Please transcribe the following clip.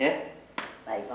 tenang dulu om